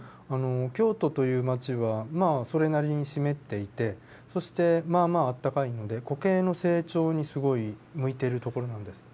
京都という街はまあそれなりに湿っていてそしてまあまああったかいのでコケの成長にすごい向いてる所なんです。